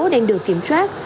đang được kiểm soát